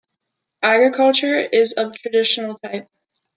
Agriculture is of traditional type.